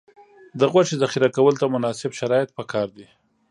د غوښې ذخیره کولو ته مناسب شرایط پکار دي.